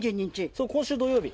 そう今週土曜日。